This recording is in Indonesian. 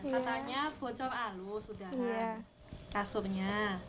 katanya bocor alus sudah kan kasurnya